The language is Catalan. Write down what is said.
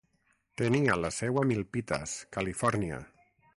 Tenia la seu a Milpitas, Califòrnia.